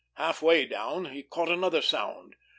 Halfway down, he caught another sound.